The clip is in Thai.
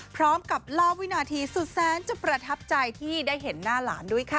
พร้อมกับเล่าวินาทีสุดแสนจะประทับใจที่ได้เห็นหน้าหลานด้วยค่ะ